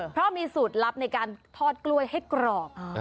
เพราะมีสูตรลับในการทอดกล้วยให้กรอบ